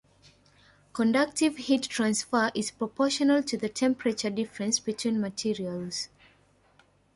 Conductive heat transfer is proportional to the temperature difference between materials.